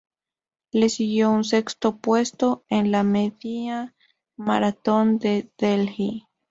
Le siguió un sexto puesto en la media maratón de Delhi.